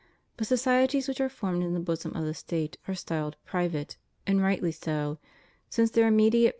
' But societies which are formed in the bosom of the State are styled private, and rightly so, since their immediate purpose ' Ecclesiastes iv.